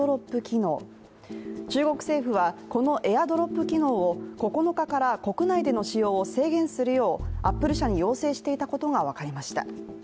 中国政府は、このＡｉｒＤｒｏｐ機能を９日から国内での使用を制限するようアップル社に要請していたことが分かりました